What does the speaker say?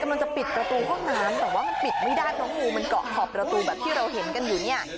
กำลังจะปิดประตูห้องน้ำแต่ว่ามันปิดไม่ได้เพราะงูมันเกาะขอบประตูแบบที่เราเห็นกันอยู่เนี่ย